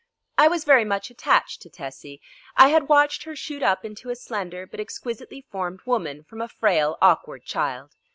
I was very much attached to Tessie. I had watched her shoot up into a slender but exquisitely formed woman from a frail, awkward child.